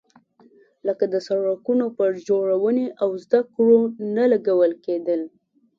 لکه د سړکونو پر جوړونې او زده کړو نه لګول کېدل.